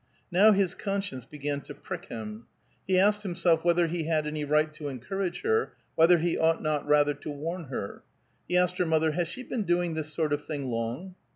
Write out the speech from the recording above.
Now his conscience began to prick him. He asked himself whether he had any right to encourage her, whether he ought not rather to warn her. He asked her mother: "Has she been doing this sort of thing long?"